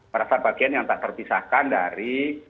merasa bagian yang tak terpisahkan dari